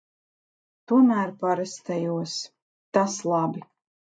Tomēr parastajos. Tas labi.